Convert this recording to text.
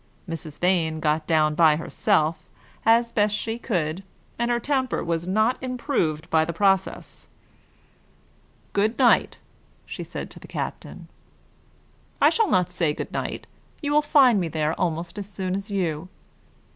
Mrs. Vane got down by herself, as she best could, and her temper was not improved by the process. "Good night," said she to the captain. "I shall not say good night. You will find me there almost as soon as you."